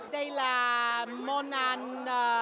đây là món ăn